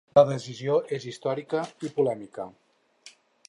La decisió és històrica i polèmica.